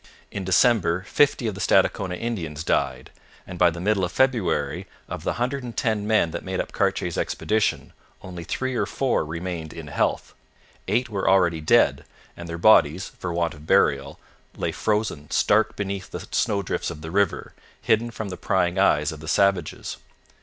In December fifty of the Stadacona Indians died, and by the middle of February, of the hundred and ten men that made up Cartier's expedition, only three or four remained in health. Eight were already dead, and their bodies, for want of burial, lay frozen stark beneath the snowdrifts of the river, hidden from the prying eyes of the savages.